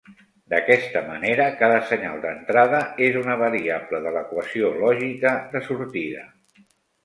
D'aquesta manera, cada senyal d'entrada és una variable de l'equació lògica de sortida.